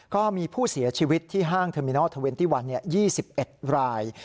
ก็มีผู้เสียชีวิตที่ห้างเทอมมินัล๒๑ยี่สิบเอ็ดราย